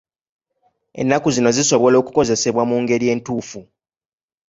Ennaku zino zisobola okukozesebwa mu ngeri entuufu.